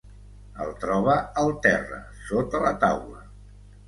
El troba al terra, sota la taula.